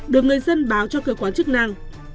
được người dân báo cho cơ quan chức năng